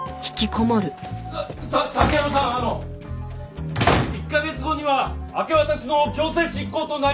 さ佐久山さんあの１カ月後には明け渡しの強制執行となります！